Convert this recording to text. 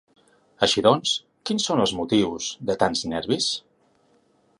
Així, doncs, quins són els motius de tants nervis?